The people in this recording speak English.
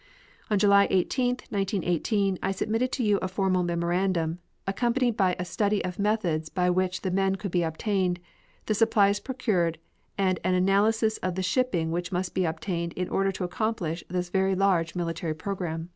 On July 18, 1918, I submitted to you a formal memorandum, accompanied by a study of methods by which the men could be obtained, the supplies procured, and an analysis of the shipping which must be obtained in order to accomplish this very large military program.